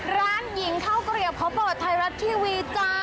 ร้านหญิงเท้าเกลียดเพาะประวัติไทยรัฐทีวีจ้า